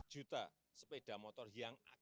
lima belas juta sepeda motor yang ada di jokowi